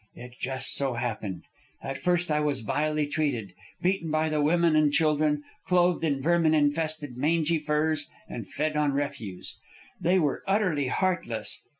It just so happened. At first I was vilely treated, beaten by the women and children, clothed in vermin infested mangy furs, and fed on refuse. They were utterly heartless.